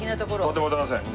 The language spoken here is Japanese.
とんでもございません。